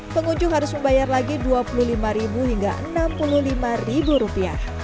pengunjung harus membayar lagi rp dua puluh lima hingga rp enam puluh lima